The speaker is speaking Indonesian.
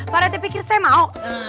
pak rete pikir saya mau